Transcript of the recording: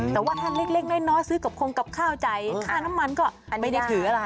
แต่ว่าถ้าเล็กน้อยซื้อกับคงกับข้าวจ่ายค่าน้ำมันก็ไม่ได้ถืออะไร